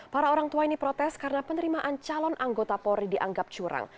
para orang tua ini protes karena penerimaan calon anggota polri dianggap curang